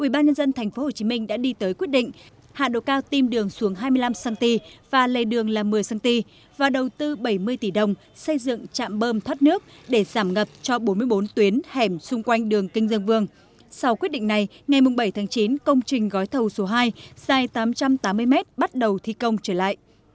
ủy ban nhân dân thành phố đồng đô cao tiêm đường xuống hai mươi năm cm và lây đường là một mươi cm và đầu tư bảy mươi tỷ đồng xây dựng trạm bơm thoát nước để giảm ngập cho bốn mươi bốn tuyến hẻm xung quanh đường kinh dương vương sau quyết định này ngày bảy tháng chín công trình gói thầu số hai dài tám trăm tám mươi m bắt đầu thi công trở lại